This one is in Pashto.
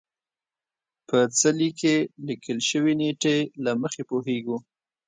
په څلي کې لیکل شوې نېټې له مخې پوهېږو.